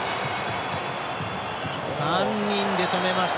３人で止めました。